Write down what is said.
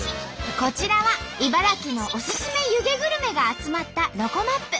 こちらは茨城のおすすめ湯気グルメが集まったロコＭＡＰ。